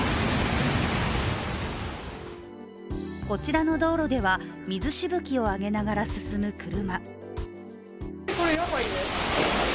こちらの道路では水しぶきを上げながら進む車。